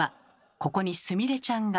ここにすみれちゃんが。